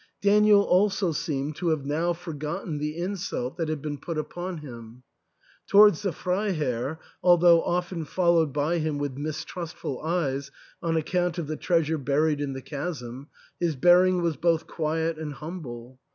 Daniel also seemed to have now forgotten the insult that had been put upon him. Towards the Freiherr, although often followed by him with mistrustful eyes on account of the treasure buried in the chasm, his bearing was both quiet and humble.